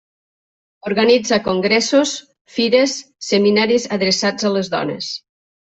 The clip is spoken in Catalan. Organitza congressos, fires, seminaris adreçats a les dones.